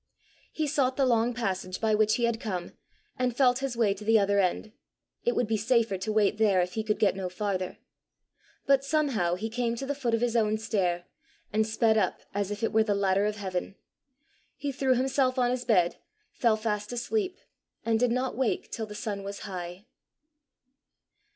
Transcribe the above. He sought the long passage by which he had come, and felt his way to the other end: it would be safer to wait there if he could get no farther. But somehow he came to the foot of his own stair, and sped up as if it were the ladder of heaven. He threw himself on his bed, fell fast asleep, and did not wake till the sun was high.